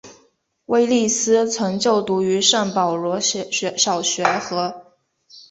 威利斯曾就读于圣保罗小学和。